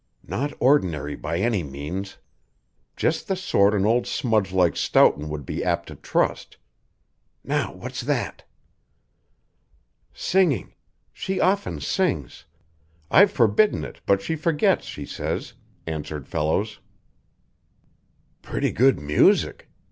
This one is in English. Not ordinary, by any means. Just the sort an old smudge like Stoughton would be apt to trust. Now what's that?_" "Singing. She often sings. I've forbidden it, but she forgets, she says," answered Fellows. "_Pretty good music.